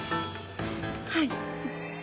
はい。